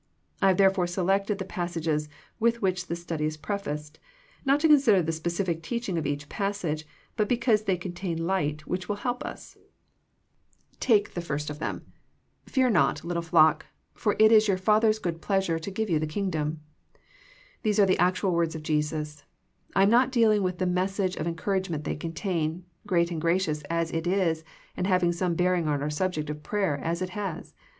I have therefore selected the pas sages with which this study is prefaced, not to consider the specific teaching of each passage, but because they contain light which will help us. 50 THE PEACTICE OF PEAYER Take the first of them, " Fear not, little flock ; for it is your Father's good pleasure to give you the Kingdom." These are the actual words of Jesus. I am not dealing with the message of en couragement they contain, great and gracious as it is and having some bearing on our subject of prayer, as it has.